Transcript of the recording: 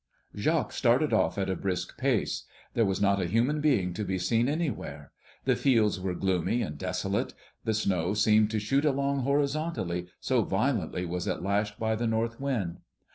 Jacques started off at a brisk pace. There was not a human being to be seen anywhere. The fields were gloomy and desolate. The snow seemed to shoot along horizontally, so violently was it lashed by the north wind.